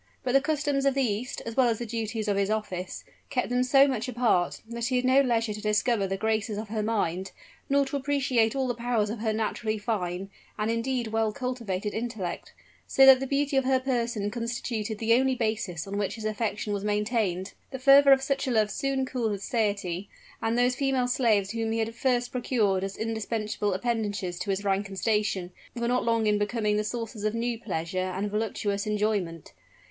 But the customs of the East, as well as the duties of his office, kept them so much apart, that he had no leisure to discover the graces of her mind, nor to appreciate all the powers of her naturally fine, and indeed well cultivated intellect; so that the beauty of her person constituted the only basis on which his affection was maintained. The fervor of such a love soon cooled with satiety: and those female slaves whom he had at first procured as indispensable appendages to his rank and station, were not long in becoming the sources of new pleasure and voluptuous enjoyment.